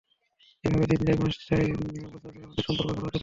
এভাবে দিন যায়, মাস যায়, বছর যায় আমাদের সম্পর্ক গাঢ় হতে থাকে।